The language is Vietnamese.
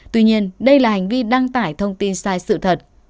tuy nhiên đây là hành vi đăng tải thông tin sai sự thật